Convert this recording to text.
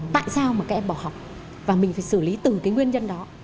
tại sao mà các em bỏ học và mình phải xử lý từ cái nguyên nhân đó